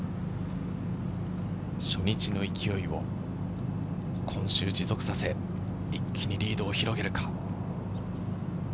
初日の勢いを今週持続させ、一気にリードを広げるか。